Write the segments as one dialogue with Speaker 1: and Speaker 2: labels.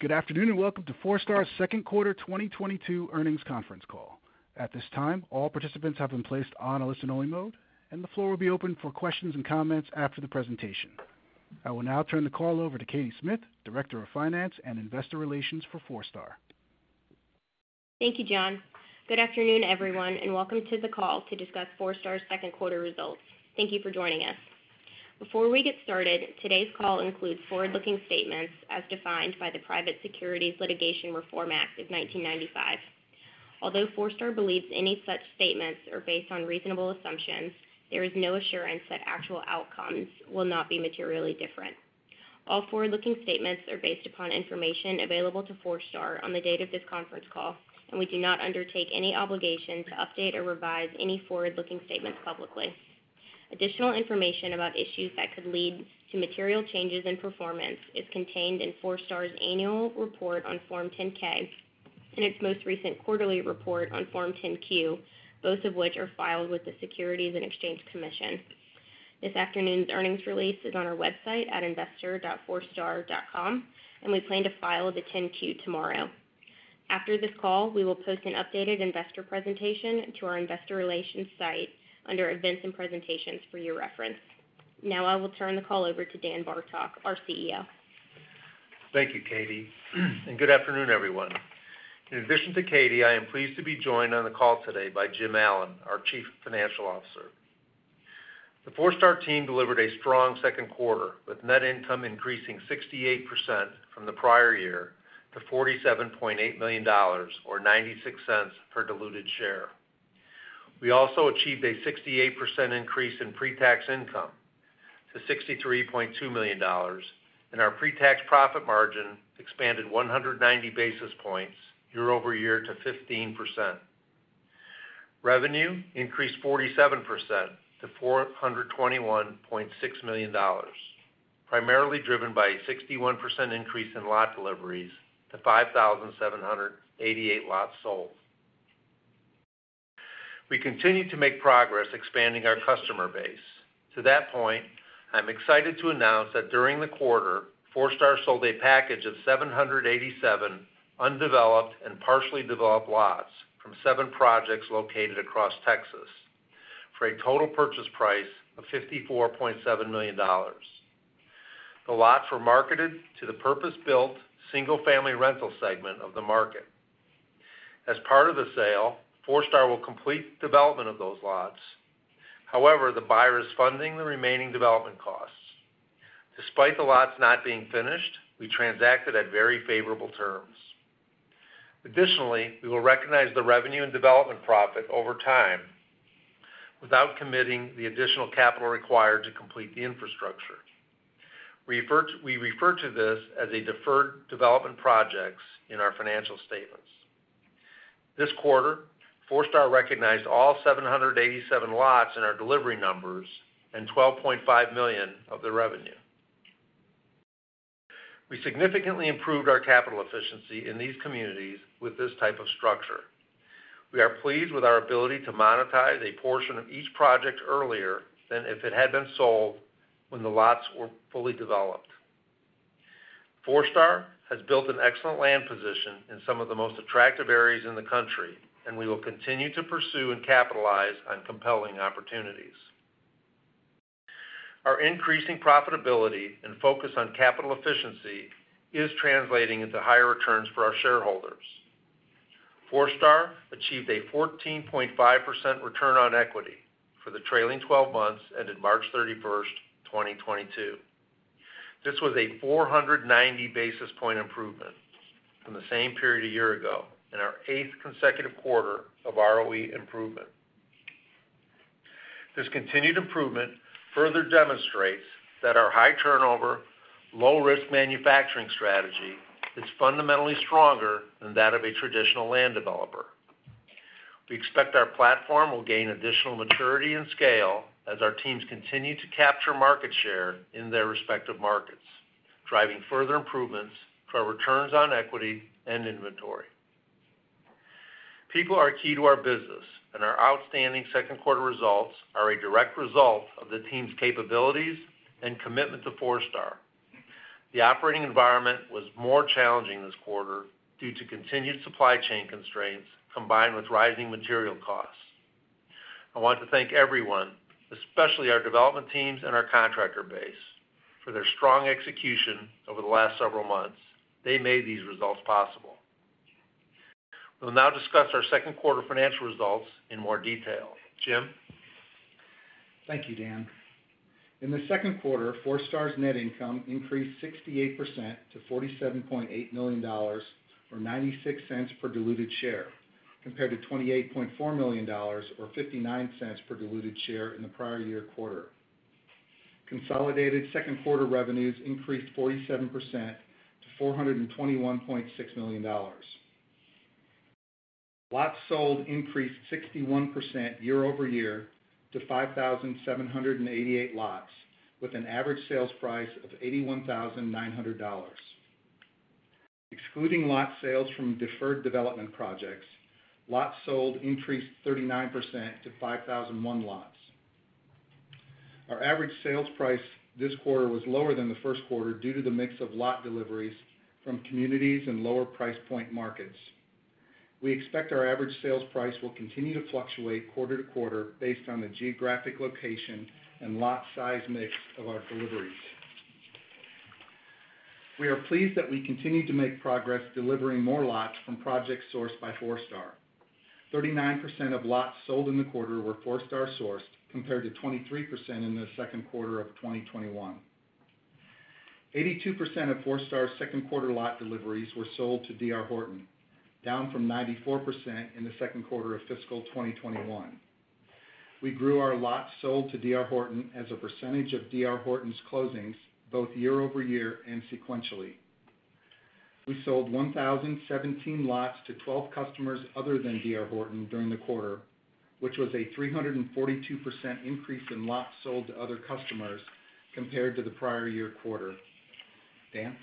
Speaker 1: Good afternoon, and welcome to Forestar's second quarter 2022 earnings conference call. At this time, all participants have been placed on a listen-only mode, and the floor will be open for questions and comments after the presentation. I will now turn the call over to Katie Smith, Director of Finance and Investor Relations for Forestar.
Speaker 2: Thank you, John. Good afternoon, everyone, and welcome to the call to discuss Forestar's second quarter results. Thank you for joining us. Before we get started, today's call includes forward-looking statements as defined by the Private Securities Litigation Reform Act of 1995. Although Forestar believes any such statements are based on reasonable assumptions, there is no assurance that actual outcomes will not be materially different. All forward-looking statements are based upon information available to Forestar on the date of this conference call, and we do not undertake any obligation to update or revise any forward-looking statements publicly. Additional information about issues that could lead to material changes in performance is contained in Forestar's annual report on Form 10-K and its most recent quarterly report on Form 10-Q, both of which are filed with the Securities and Exchange Commission. This afternoon's earnings release is on our website at investor.forestar.com, and we plan to file the 10-Q tomorrow. After this call, we will post an updated investor presentation to our investor relations site under Events and Presentations for your reference. Now I will turn the call over to Dan Bartok, our CEO.
Speaker 3: Thank you, Katie, and good afternoon, everyone. In addition to Katie, I am pleased to be joined on the call today by Jim Allen, our Chief Financial Officer. The Forestar team delivered a strong second quarter, with net income increasing 68% from the prior year to $47.8 million, or $0.96 per diluted share. We also achieved a 68% increase in pre-tax income to $63.2 million, and our pre-tax profit margin expanded 190 basis points year over year to 15%. Revenue increased 47% to $421.6 million, primarily driven by a 61% increase in lot deliveries to 5,788 lots sold. We continue to make progress expanding our customer base. To that point, I'm excited to announce that during the quarter, Forestar sold a package of 787 undeveloped and partially developed lots from seven projects located across Texas for a total purchase price of $54.7 million. The lots were marketed to the purpose-built, single-family rental segment of the market. As part of the sale, Forestar will complete development of those lots. However, the buyer is funding the remaining development costs. Despite the lots not being finished, we transacted at very favorable terms. Additionally, we will recognize the revenue and development profit over time without committing the additional capital required to complete the infrastructure. We refer to this as a deferred development projects in our financial statements. This quarter, Forestar recognized all 787 lots in our delivery numbers and $12.5 million of the revenue. We significantly improved our capital efficiency in these communities with this type of structure. We are pleased with our ability to monetize a portion of each project earlier than if it had been sold when the lots were fully developed. Forestar has built an excellent land position in some of the most attractive areas in the country, and we will continue to pursue and capitalize on compelling opportunities. Our increasing profitability and focus on capital efficiency is translating into higher returns for our shareholders. Forestar achieved a 14.5% return on equity for the trailing twelve months ended March 31, 2022. This was a 490 basis point improvement from the same period a year ago and our eighth consecutive quarter of ROE improvement. This continued improvement further demonstrates that our high turnover, low risk manufacturing strategy is fundamentally stronger than that of a traditional land developer. We expect our platform will gain additional maturity and scale as our teams continue to capture market share in their respective markets, driving further improvements for our returns on equity and inventory. People are key to our business, and our outstanding second quarter results are a direct result of the team's capabilities and commitment to Forestar. The operating environment was more challenging this quarter due to continued supply chain constraints combined with rising material costs. I want to thank everyone, especially our development teams and our contractor base, for their strong execution over the last several months. They made these results possible. We'll now discuss our second quarter financial results in more detail. Jim?
Speaker 4: Thank you, Dan. In the second quarter, Forestar's net income increased 68% to $47.8 million, or $0.96 per diluted share, compared to $28.4 million, or $0.59 per diluted share in the prior year quarter. Consolidated second quarter revenues increased 47% to $421.6 million. Lots sold increased 61% year-over-year to 5,788 lots, with an average sales price of $81,900. Excluding lot sales from deferred development projects, lots sold increased 39% to 5,001 lots. Our average sales price this quarter was lower than the first quarter due to the mix of lot deliveries from communities and lower price point markets. We expect our average sales price will continue to fluctuate quarter to quarter based on the geographic location and lot size mix of our deliveries. We are pleased that we continue to make progress delivering more lots from projects sourced by Foretar. 39% of lots sold in the quarter were Forestar sourced, compared to 23% in the second quarter of 2021. 82% of Forestar's second quarter lot deliveries were sold to DR Horton, down from 94% in the second quarter of fiscal 2021. We grew our lots sold to DR Horton as a percentage of DR Horton's closings, both year-over-year and sequentially. We sold 1,017 lots to 12 customers other than DR Horton during the quarter, which was a 342% increase in lots sold to other customers compared to the prior year quarter. Dan?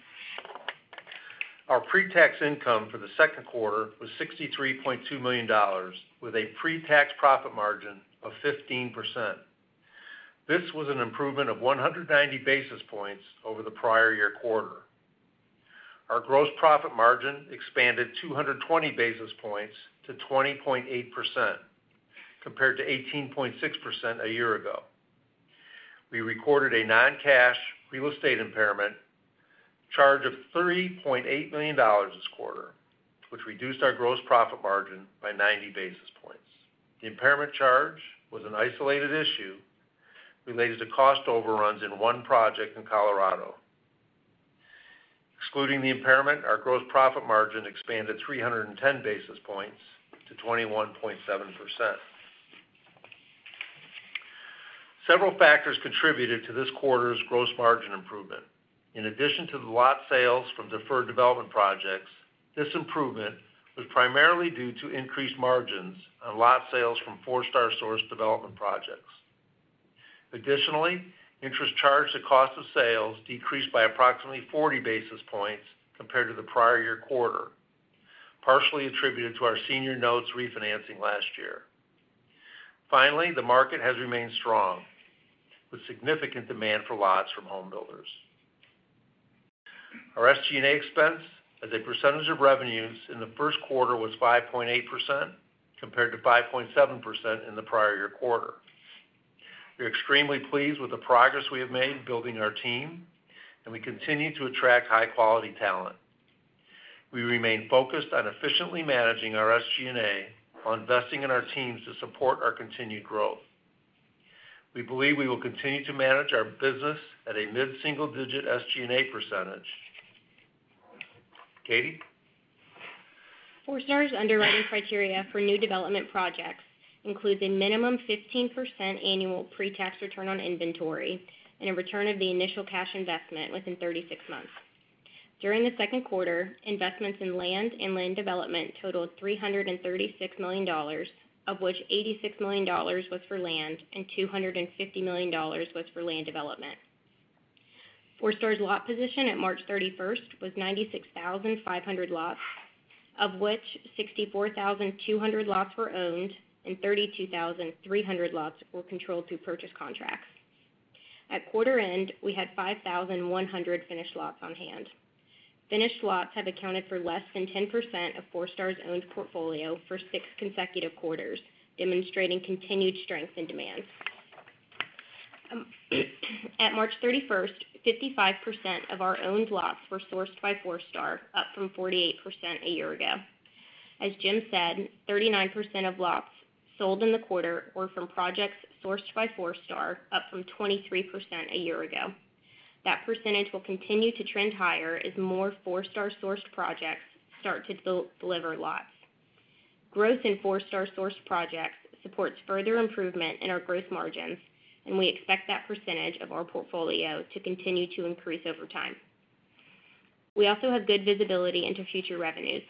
Speaker 3: Our pre-tax income for the second quarter was $63.2 million, with a pre-tax profit margin of 15%. This was an improvement of 190 basis points over the prior year quarter. Our gross profit margin expanded 220 basis points to 20.8%, compared to 18.6% a year ago. We recorded a non-cash real estate impairment charge of $3.8 million this quarter, which reduced our gross profit margin by 90 basis points. The impairment charge was an isolated issue related to cost overruns in one project in Colorado. Excluding the impairment, our gross profit margin expanded 310 basis points to 21.7%. Several factors contributed to this quarter's gross margin improvement. In addition to the lot sales from deferred development projects, this improvement was primarily due to increased margins on lot sales from Four Star sourced development projects. Additionally, interest charged to cost of sales decreased by approximately 40 basis points compared to the prior year quarter, partially attributed to our senior notes refinancing last year. Finally, the market has remained strong with significant demand for lots from home builders. Our SG&A expense as a percentage of revenues in the first quarter was 5.8%, compared to 5.7% in the prior year quarter. We're extremely pleased with the progress we have made building our team, and we continue to attract high quality talent. We remain focused on efficiently managing our SG&A while investing in our teams to support our continued growth. We believe we will continue to manage our business at a mid-single digit SG&A percentage. Katie?
Speaker 2: Forestar's underwriting criteria for new development projects includes a minimum 15% annual pre-tax return on inventory and a return of the initial cash investment within 36 months. During the second quarter, investments in land and land development totaled $336 million, of which $86 million was for land and $250 million was for land development. Forestar's lot position at March 31 was 96,500 lots, of which 64,200 lots were owned and 32,300 lots were controlled through purchase contracts. At quarter end, we had 5,100 finished lots on hand. Finished lots have accounted for less than 10% of Forestar's owned portfolio for six consecutive quarters, demonstrating continued strength in demand. As of March 31, 55% of our owned lots were sourced by Forestar, up from 48% a year ago. As Jim said, 39% of lots sold in the quarter were from projects sourced by Forestar, up from 23% a year ago. That percentage will continue to trend higher as more Forestar sourced projects start to deliver lots. Growth in Forestar sourced projects supports further improvement in our gross margins, and we expect that percentage of our portfolio to continue to increase over time. We also have good visibility into future revenues.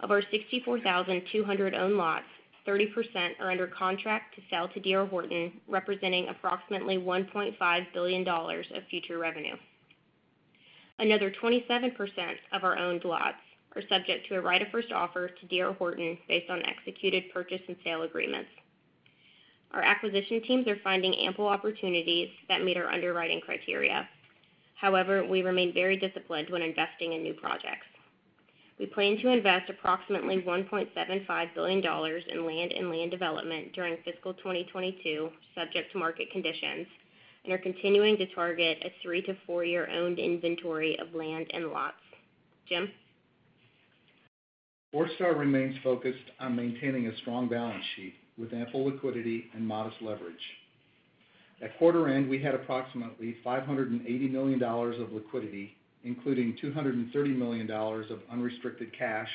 Speaker 2: Of our 64,200 owned lots, 30% are under contract to sell to DR Horton, representing approximately $1.5 billion of future revenue. Another 27% of our owned lots are subject to a right of first offer to DR Horton based on executed purchase and sale agreements. Our acquisition teams are finding ample opportunities that meet our underwriting criteria. However, we remain very disciplined when investing in new projects. We plan to invest approximately $1.75 billion in land and land development during fiscal 2022, subject to market conditions, and are continuing to target a three to four-year owned inventory of land and lots. Jim?
Speaker 4: Forestar remains focused on maintaining a strong balance sheet with ample liquidity and modest leverage. At quarter end, we had approximately $580 million of liquidity, including $230 million of unrestricted cash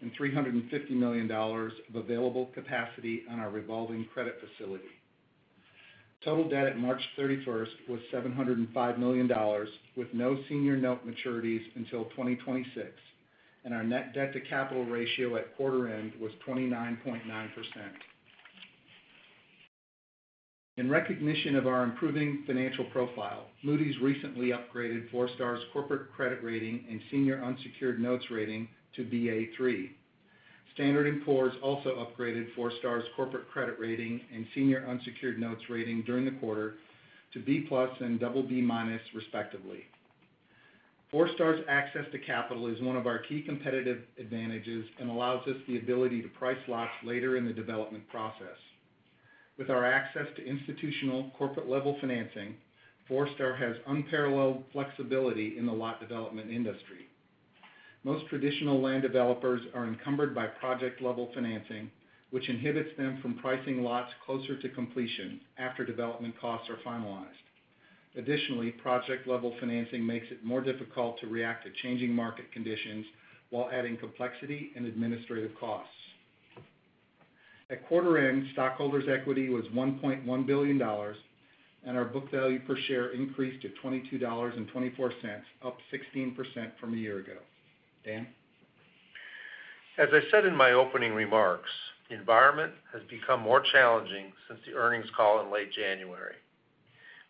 Speaker 4: and $350 million of available capacity on our revolving credit facility. Total debt at March 31 was $705 million, with no senior note maturities until 2026, and our net debt to capital ratio at quarter end was 29.9%. In recognition of our improving financial profile, Moody's recently upgraded Forestar's corporate credit rating and senior unsecured notes rating to Ba3. Standard and Poor's also upgraded Forestar's corporate credit rating and senior unsecured notes rating during the quarter to B+ and BB- respectively. Forestar's access to capital is one of our key competitive advantages and allows us the ability to price lots later in the development process. With our access to institutional corporate level financing, Forestar has unparalleled flexibility in the lot development industry. Most traditional land developers are encumbered by project level financing, which inhibits them from pricing lots closer to completion after development costs are finalized. Additionally, project level financing makes it more difficult to react to changing market conditions while adding complexity and administrative costs. At quarter end, stockholders' equity was $1.1 billion, and our book value per share increased to $22.24, up 16% from a year ago. Dan?
Speaker 3: As I said in my opening remarks, the environment has become more challenging since the earnings call in late January.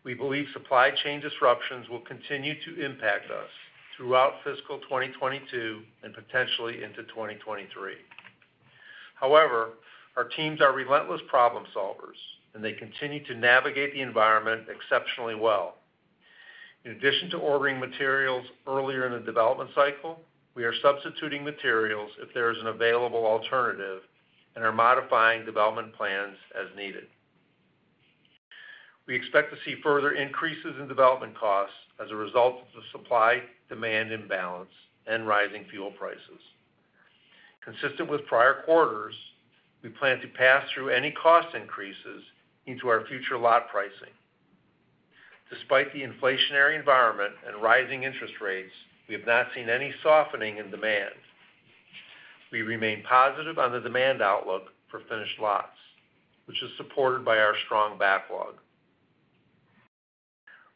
Speaker 3: We believe supply chain disruptions will continue to impact us throughout fiscal 2022 and potentially into 2023. However, our teams are relentless problem solvers, and they continue to navigate the environment exceptionally well. In addition to ordering materials earlier in the development cycle, we are substituting materials if there is an available alternative and are modifying development plans as needed. We expect to see further increases in development costs as a result of the supply-demand imbalance and rising fuel prices. Consistent with prior quarters, we plan to pass through any cost increases into our future lot pricing. Despite the inflationary environment and rising interest rates, we have not seen any softening in demand. We remain positive on the demand outlook for finished lots, which is supported by our strong backlog.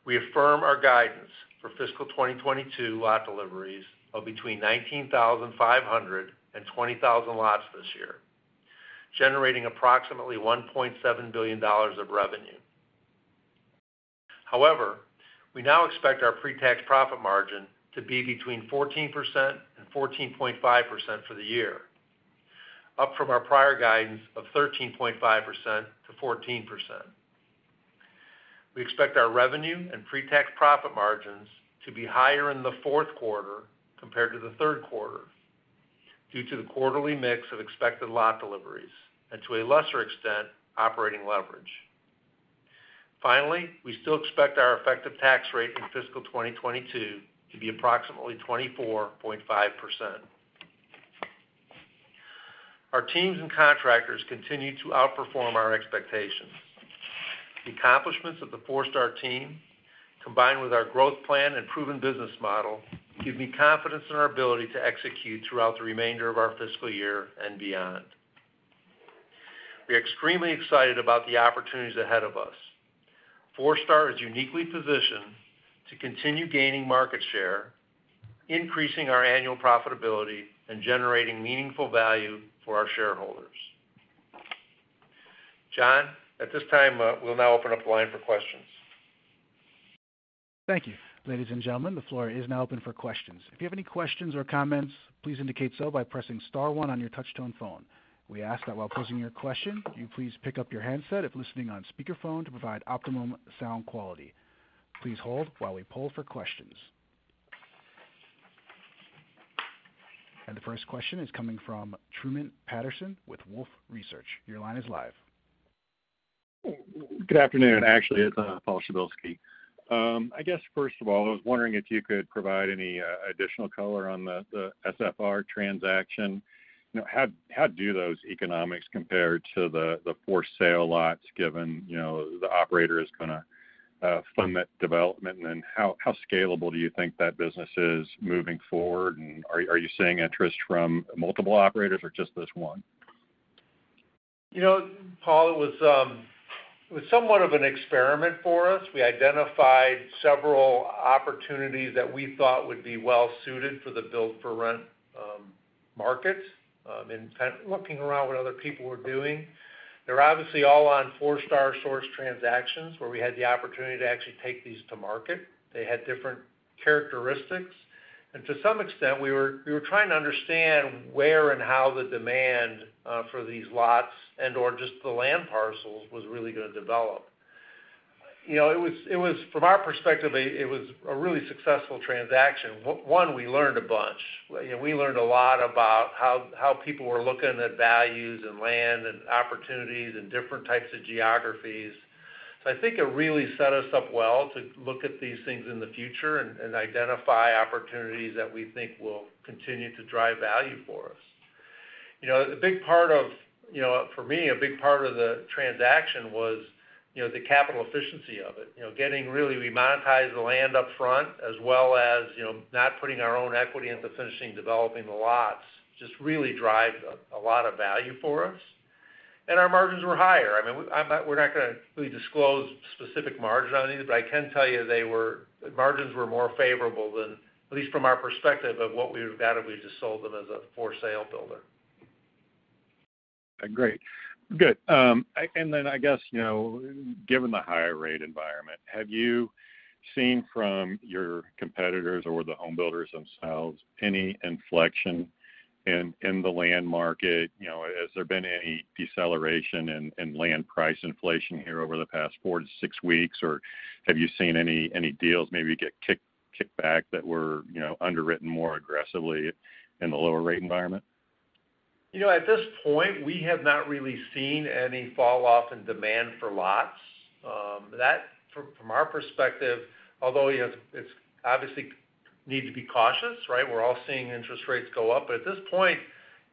Speaker 3: We affirm our guidance for Fiscal 2022 lot deliveries of between 19,500-20,000 lots this year, generating approximately $1.7 billion of revenue. However, we now expect our pre-tax profit margin to be between 14%-14.5% for the year, up from our prior guidance of 13.5%-14%. We expect our revenue and pre-tax profit margins to be higher in the fourth quarter compared to the third quarter due to the quarterly mix of expected lot deliveries and to a lesser extent, operating leverage. Finally, we still expect our effective tax rate in fiscal 2022 to be approximately 24.5%. Our teams and contractors continue to outperform our expectations. The accomplishments of the Forestar team, combined with our growth plan and proven business model, give me confidence in our ability to execute throughout the remainder of our fiscal year and beyond. We are extremely excited about the opportunities ahead of us. Forestar is uniquely positioned to continue gaining market share, increasing our annual profitability, and generating meaningful value for our shareholders. John, at this time, we'll now open up the line for questions.
Speaker 1: Thank you. Ladies and gentlemen, the floor is now open for questions. If you have any questions or comments, please indicate so by pressing star one on your touch-tone phone. We ask that while posing your question, you please pick up your handset if listening on speakerphone to provide optimum sound quality. Please hold while we poll for questions. The first question is coming from Truman Patterson with Wolfe Research. Your line is live.
Speaker 5: Good afternoon. Actually, it's Paul Przybylski. I guess, first of all, I was wondering if you could provide any additional color on the SFR transaction. You know, how do those economics compare to the for sale lots given, you know, the operator is gonna fund that development? And then how scalable do you think that business is moving forward? And are you seeing interest from multiple operators or just this one?
Speaker 3: You know, Paul, it was somewhat of an experiment for us. We identified several opportunities that we thought would be well suited for the build for rent market, and kind of looking around what other people were doing. They're obviously all on Forestar sourced transactions, where we had the opportunity to actually take these to market. They had different characteristics. To some extent, we were trying to understand where and how the demand for these lots and/or just the land parcels was really gonna develop. You know, it was from our perspective, it was a really successful transaction. One, we learned a bunch. You know, we learned a lot about how people were looking at values and land and opportunities in different types of geographies. I think it really set us up well to look at these things in the future and identify opportunities that we think will continue to drive value for us. You know, a big part of, you know, for me, a big part of the transaction was, you know, the capital efficiency of it. You know, getting really we monetize the land up front, as well as, you know, not putting our own equity into finishing developing the lots, just really drive a lot of value for us. Our margins were higher. I mean, we're not gonna really disclose specific margin on these, but I can tell you the margins were more favorable than at least from our perspective of what we would've gotten if we just sold them as a for sale builder.
Speaker 5: Great. Good. I guess, you know, given the higher rate environment, have you seen from your competitors or the home builders themselves any inflection in the land market? You know, has there been any deceleration in land price inflation here over the past four to six weeks? Or have you seen any deals maybe get kicked back that were, you know, underwritten more aggressively in the lower rate environment?
Speaker 3: You know, at this point, we have not really seen any fall off in demand for lots from our perspective, although you know it's obviously we need to be cautious, right? We're all seeing interest rates go up. At this point,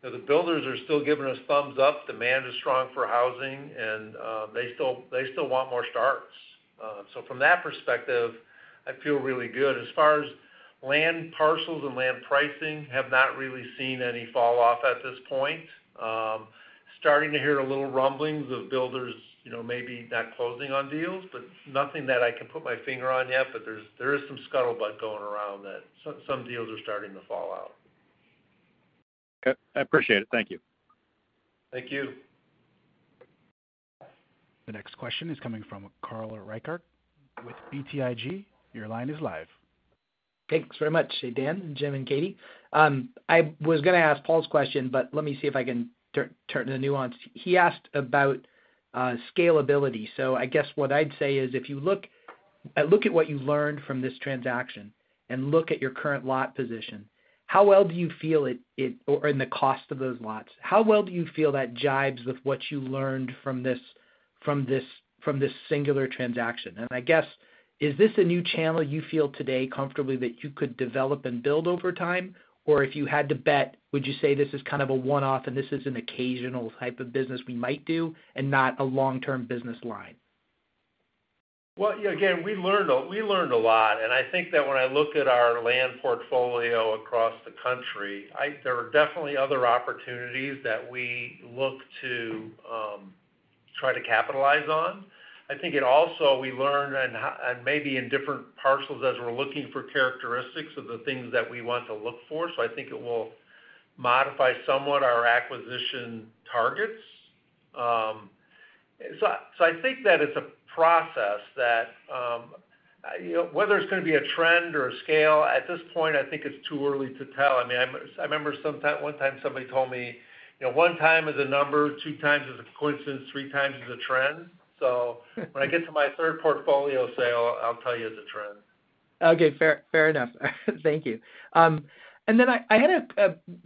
Speaker 3: you know, the builders are still giving us thumbs up. Demand is strong for housing, and they still want more starts. From that perspective, I feel really good. As far as land parcels and land pricing, we have not really seen any fall off at this point. We are starting to hear little rumblings from builders, you know, maybe not closing on deals, but nothing that I can put my finger on yet. There is some scuttlebutt going around that some deals are starting to fall out.
Speaker 5: Okay. I appreciate it. Thank you.
Speaker 3: Thank you.
Speaker 1: The next question is coming from Carl Reichardt with BTIG. Your line is live.
Speaker 6: Thanks very much, Dan, Jim, and Katie. I was gonna ask Paul's question, but let me see if I can turn the nuance. He asked about scalability. I guess what I'd say is if you look at what you learned from this transaction and look at your current lot position, how well do you feel it or in the cost of those lots, how well do you feel that jives with what you learned from this singular transaction? I guess, is this a new channel you feel today comfortably that you could develop and build over time? If you had to bet, would you say this is kind of a one-off and this is an occasional type of business we might do and not a long-term business line?
Speaker 3: Well, again, we learned a lot, and I think that when I look at our land portfolio across the country, there are definitely other opportunities that we look to try to capitalize on. I think it also we learn and maybe in different parcels as we're looking for characteristics of the things that we want to look for. I think it will modify somewhat our acquisition targets. I think that it's a process that, you know, whether it's gonna be a trend or a scale, at this point, I think it's too early to tell. I mean, I remember one time somebody told me, you know, one time is a number, two times is a coincidence, three times is a trend. When I get to my third portfolio sale, I'll tell you it's a trend.
Speaker 6: Okay. Fair enough. Thank you.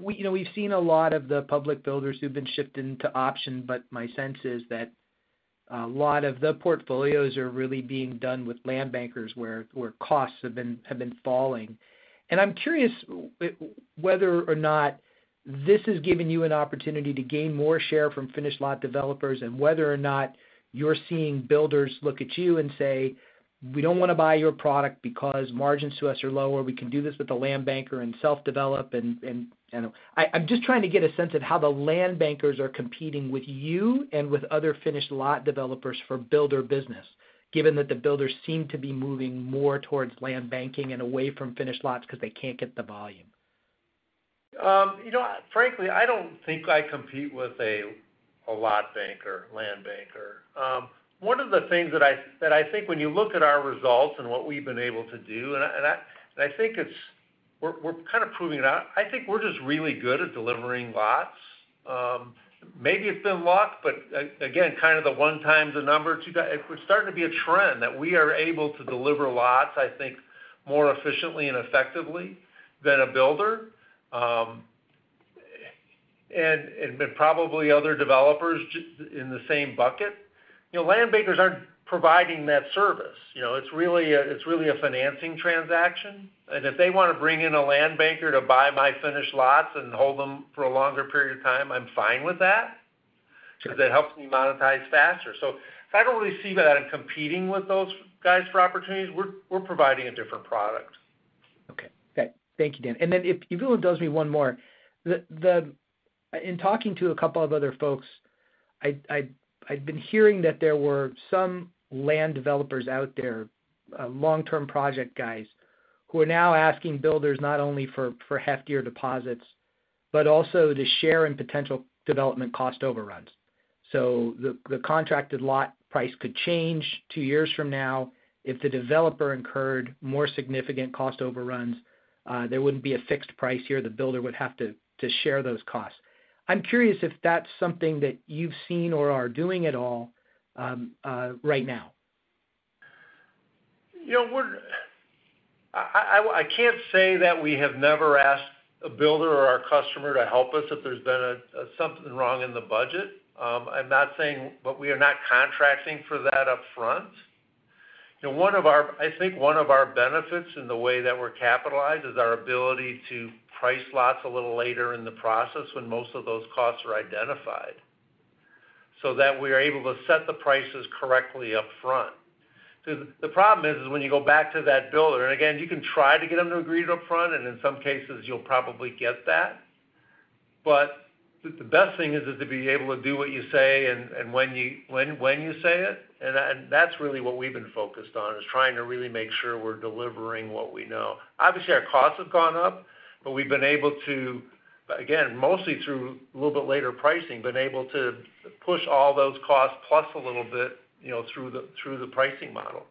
Speaker 6: We, you know, we've seen a lot of the public builders who've been shifting to option, but my sense is that a lot of the portfolios are really being done with land bankers, where costs have been falling. I'm curious whether or not this has given you an opportunity to gain more share from finished lot developers and whether or not you're seeing builders look at you and say, "We don't wanna buy your product because margins to us are lower. We can do this with a land banker and self-develop," and, you know. I'm just trying to get a sense of how the land bankers are competing with you and with other finished lot developers for builder business, given that the builders seem to be moving more towards land banking and away from finished lots because they can't get the volume.
Speaker 3: You know, frankly, I don't think I compete with a lot banker, land banker. One of the things that I think when you look at our results and what we've been able to do, I think it's we're kind of proving it out. I think we're just really good at delivering lots. Maybe it's been luck, but again, kind of the one time's a number, two times. It's starting to be a trend that we are able to deliver lots, I think, more efficiently and effectively than a builder, and probably other developers in the same bucket. You know, land bankers aren't providing that service. You know, it's really a financing transaction, and if they wanna bring in a land banker to buy my finished lots and hold them for a longer period of time, I'm fine with that 'cause it helps me monetize faster. I don't really see that I'm competing with those guys for opportunities. We're providing a different product.
Speaker 6: Okay. Thank you, Dan. If you will indulge me one more. In talking to a couple of other folks, I'd been hearing that there were some land developers out there, long-term project guys, who are now asking builders not only for heftier deposits, but also to share in potential development cost overruns. The contracted lot price could change two years from now if the developer incurred more significant cost overruns. There wouldn't be a fixed price here. The builder would have to share those costs. I'm curious if that's something that you've seen or are doing at all right now.
Speaker 3: You know, I can't say that we have never asked a builder or our customer to help us if there's been something wrong in the budget. We are not contracting for that upfront. You know, I think one of our benefits in the way that we're capitalized is our ability to price lots a little later in the process when most of those costs are identified, so that we're able to set the prices correctly up front. The problem is when you go back to that builder, and again, you can try to get them to agree to up front, and in some cases you'll probably get that. The best thing is to be able to do what you say and when you say it. That's really what we've been focused on, is trying to really make sure we're delivering what we know. Obviously, our costs have gone up, but we've been able to, again, mostly through a little bit later pricing, been able to push all those costs plus a little bit, you know, through the pricing model.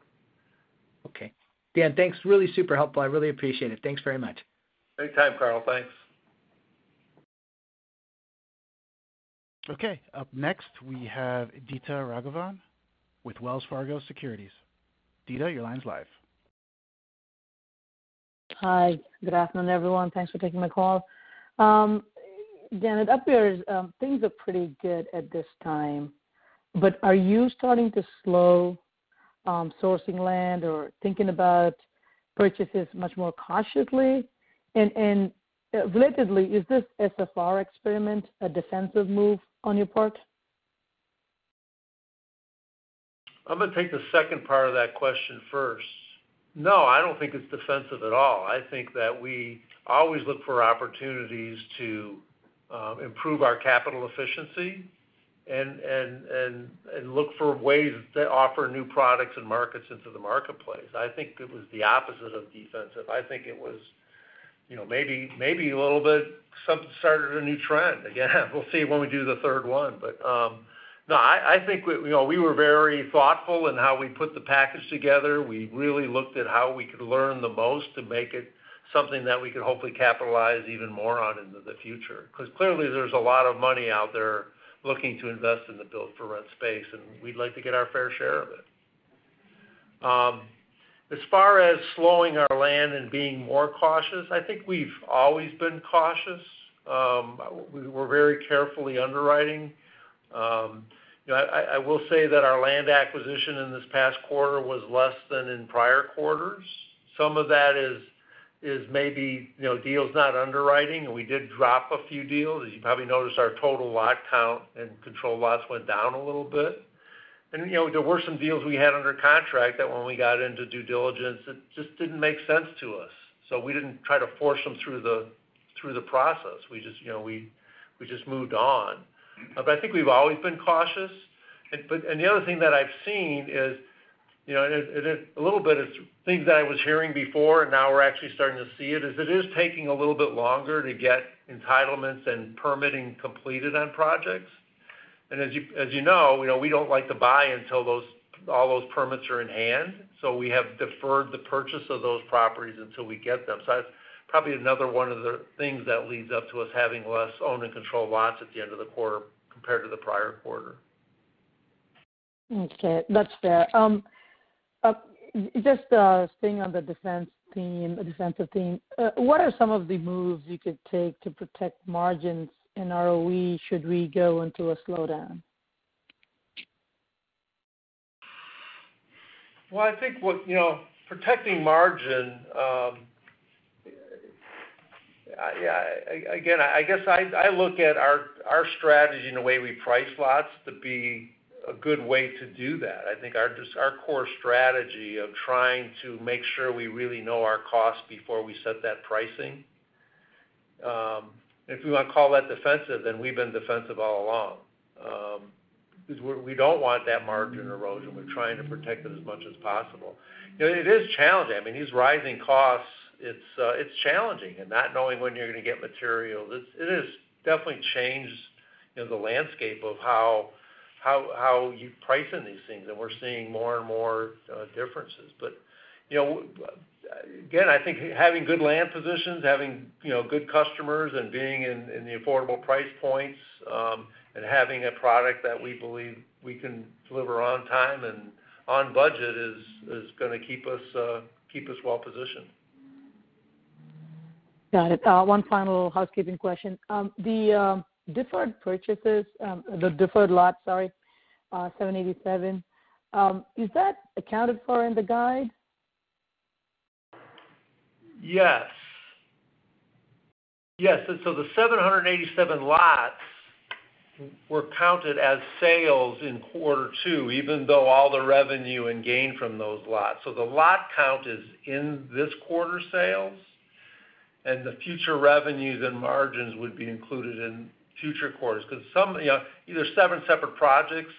Speaker 6: Okay. Dan, thanks. Really super helpful. I really appreciate it. Thanks very much.
Speaker 3: Anytime, Carl. Thanks.
Speaker 1: Okay. Up next, we have Deepa Raghavan with Wells Fargo Securities. Deepa, your line's live.
Speaker 7: Hi. Good afternoon, everyone. Thanks for taking my call. Dan, it appears things are pretty good at this time, but are you starting to slow sourcing land or thinking about purchases much more cautiously? Relatedly, is this SFR experiment a defensive move on your part?
Speaker 3: I'm gonna take the second part of that question first. No, I don't think it's defensive at all. I think that we always look for opportunities to improve our capital efficiency and look for ways to offer new products and markets into the marketplace. I think it was the opposite of defensive. I think it was, you know, maybe a little bit. Some started a new trend. Again, we'll see when we do the third one. No, I think we, you know, we were very thoughtful in how we put the package together. We really looked at how we could learn the most to make it something that we could hopefully capitalize even more on into the future. 'Cause clearly there's a lot of money out there looking to invest in the build for rent space, and we'd like to get our fair share of it. As far as slowing our land and being more cautious, I think we've always been cautious. We're very carefully underwriting. You know, I will say that our land acquisition in this past quarter was less than in prior quarters. Some of that is maybe, you know, deals not underwriting, and we did drop a few deals. As you probably noticed, our total lot count and control lots went down a little bit. You know, there were some deals we had under contract that when we got into due diligence, it just didn't make sense to us, so we didn't try to force them through the process. We just, you know, moved on. I think we've always been cautious. The other thing that I've seen is, you know, it is a little bit of things that I was hearing before, and now we're actually starting to see it, is it is taking a little bit longer to get entitlements and permitting completed on projects. As you know, you know, we don't like to buy until all those permits are in hand. We have deferred the purchase of those properties until we get them. That's probably another one of the things that leads up to us having less owned and controlled lots at the end of the quarter compared to the prior quarter.
Speaker 7: Okay. That's fair. Just staying on the defensive theme, what are some of the moves you could take to protect margins and ROE should we go into a slowdown?
Speaker 3: I think, you know, protecting margin. Again, I guess I look at our strategy and the way we price lots to be a good way to do that. I think it's just our core strategy of trying to make sure we really know our costs before we set that pricing, if you wanna call that defensive, then we've been defensive all along. 'Cause we don't want that margin erosion. We're trying to protect it as much as possible. You know, it is challenging. I mean, these rising costs, it's challenging. Not knowing when you're gonna get material, it has definitely changed, you know, the landscape of how you price in these things. We're seeing more and more differences. You know, again, I think having good land positions, having you know good customers and being in the affordable price points, and having a product that we believe we can deliver on time and on budget is gonna keep us well-positioned.
Speaker 7: Got it. One final housekeeping question. The deferred lots, 787, is that accounted for in the guide?
Speaker 3: Yes. Yes. The 787 lots were counted as sales in quarter two, even though all the revenue and gain from those lots, the lot count is in this quarter sales, and the future revenues and margins would be included in future quarters. 'Cause some, you know, these are seven separate projects,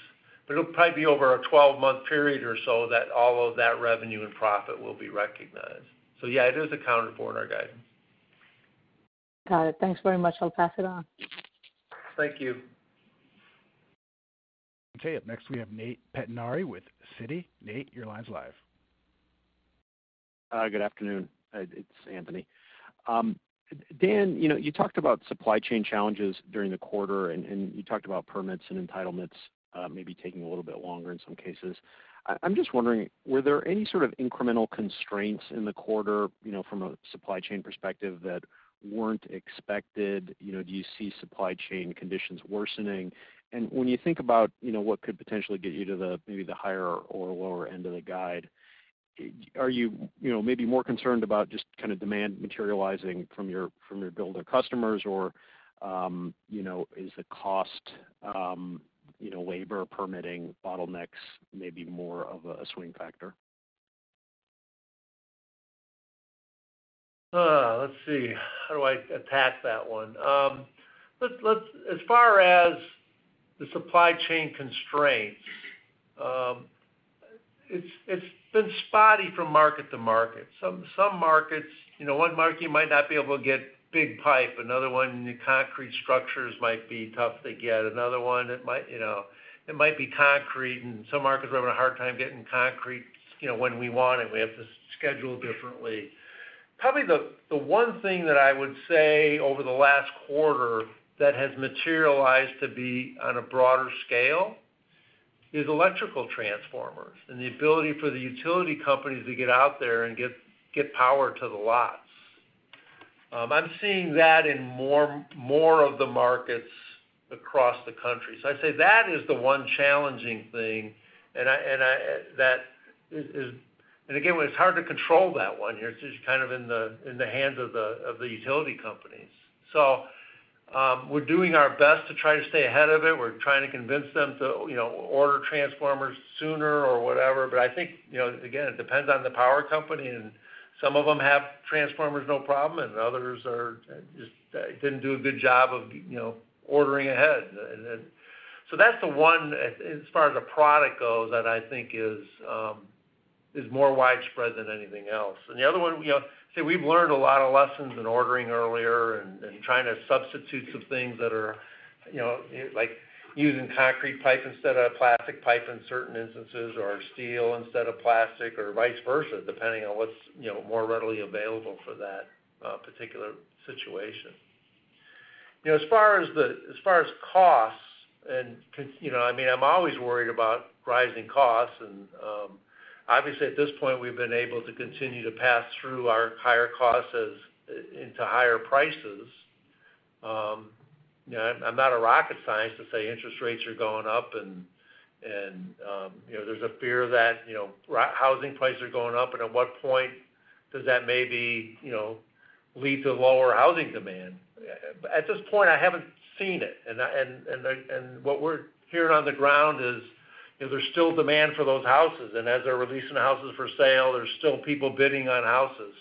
Speaker 3: but it'll probably be over a 12-month period or so that all of that revenue and profit will be recognized. Yeah, it is accounted for in our guidance.
Speaker 7: Got it. Thanks very much. I'll pass it on.
Speaker 3: Thank you.
Speaker 1: Okay. Up next, we have Anthony Pettinari with Citi. Anthony, your line's live.
Speaker 8: Good afternoon. It's Anthony. Dan, you know, you talked about supply chain challenges during the quarter, and you talked about permits and entitlements, maybe taking a little bit longer in some cases. I'm just wondering, were there any sort of incremental constraints in the quarter, you know, from a supply chain perspective that weren't expected? You know, do you see supply chain conditions worsening? When you think about, you know, what could potentially get you to the, maybe the higher or lower end of the guide, are you know, maybe more concerned about just kind of demand materializing from your builder customers? Or, you know, is the cost, you know, labor permitting bottlenecks maybe more of a swing factor?
Speaker 3: Let's see. How do I attack that one? As far as the supply chain constraints, it's been spotty from market to market. Some markets, you know, one market you might not be able to get big pipe. Another one, the concrete structures might be tough to get. Another one, it might, you know, it might be concrete, and some markets we're having a hard time getting concrete, you know, when we want it. We have to schedule differently. Probably the one thing that I would say over the last quarter that has materialized to be on a broader scale is electrical transformers and the ability for the utility companies to get out there and get power to the lots. I'm seeing that in more of the markets across the country. I'd say that is the one challenging thing. Again, it's hard to control that one. It's just kind of in the hands of the utility companies. We're doing our best to try to stay ahead of it. We're trying to convince them to, you know, order transformers sooner or whatever. I think, you know, again, it depends on the power company, and some of them have transformers no problem, and others are just didn't do a good job of, you know, ordering ahead. That's the one, as far as the product goes, that I think is more widespread than anything else. The other one, you know, so we've learned a lot of lessons in ordering earlier and trying to substitute some things that are, you know, like using concrete pipe instead of plastic pipe in certain instances, or steel instead of plastic or vice versa, depending on what's, you know, more readily available for that particular situation. You know, as far as costs and concerns. You know, I mean, I'm always worried about rising costs and obviously at this point we've been able to continue to pass through our higher costs into higher prices. You know, I'm not a rocket scientist to say interest rates are going up and you know, there's a fear that housing prices are going up and at what point does that maybe lead to lower housing demand. At this point, I haven't seen it. What we're hearing on the ground is, you know, there's still demand for those houses, and as they're releasing houses for sale, there's still people bidding on houses.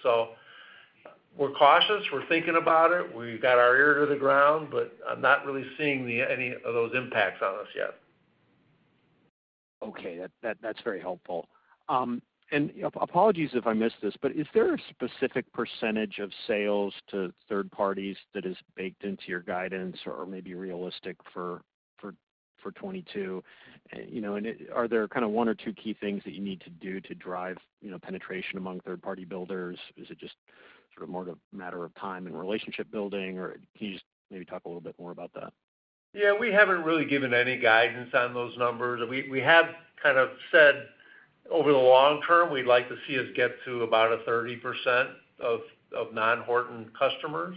Speaker 3: We're cautious. We're thinking about it. We've got our ear to the ground, but I'm not really seeing any of those impacts on us yet.
Speaker 8: Okay. That, that's very helpful. Apologies if I missed this, but is there a specific percentage of sales to third parties that is baked into your guidance or maybe realistic for 2022? You know, and are there kind of one or two key things that you need to do to drive, you know, penetration among third party builders? Is it just sort of more of a matter of time and relationship building or can you just maybe talk a little bit more about that?
Speaker 3: Yeah, we haven't really given any guidance on those numbers. We have kind of said over the long term, we'd like to see us get to about a 30% of non-Horton customers.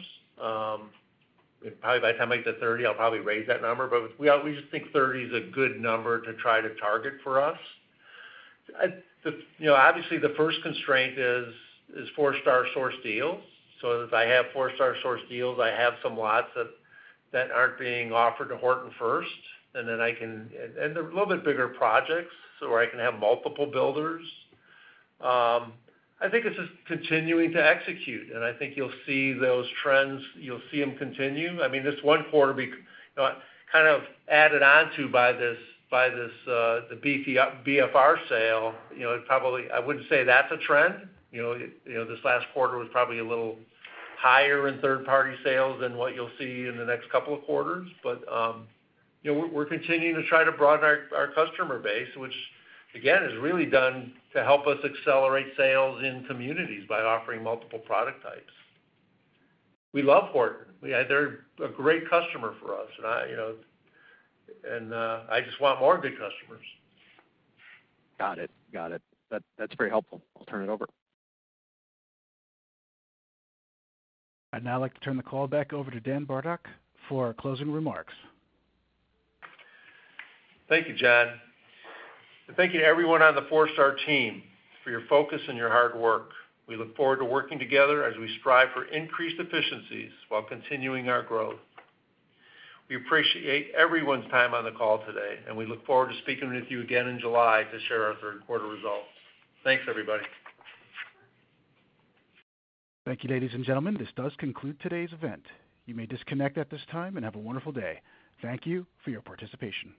Speaker 3: Probably by the time I get to 30, I'll probably raise that number. We just think 30 is a good number to try to target for us. You know, obviously the first constraint is Forestar sourced deals. If I have Forestar sourced deals, I have some lots that aren't being offered to Horton first, and they're a little bit bigger projects, so where I can have multiple builders. I think it's just continuing to execute, and I think you'll see those trends, you'll see them continue. I mean, this one quarter, you know, kind of added on to by this, the BFR sale. You know, it probably. I wouldn't say that's a trend. You know, this last quarter was probably a little higher in third party sales than what you'll see in the next couple of quarters. You know, we're continuing to try to broaden our customer base, which again, is really done to help us accelerate sales in communities by offering multiple product types. We love Horton. They're a great customer for us, and I, you know. I just want more good customers.
Speaker 8: Got it. That's very helpful. I'll turn it over.
Speaker 1: I'd now like to turn the call back over to Dan Bartok for closing remarks.
Speaker 3: Thank you, John. Thank you everyone on the Forestar team for your focus and your hard work. We look forward to working together as we strive for increased efficiencies while continuing our growth. We appreciate everyone's time on the call today, and we look forward to speaking with you again in July to share our third quarter results. Thanks everybody.
Speaker 1: Thank you, ladies and gentlemen, this does conclude today's event. You may disconnect at this time and have a wonderful day. Thank you for your participation.